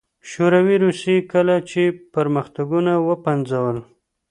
شوروي روسيې کله چې پرمختګونه وپنځول